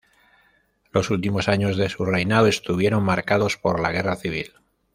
Los últimos años de su reinado estuvieron marcados por la guerra civil.